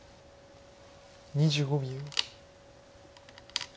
２５秒。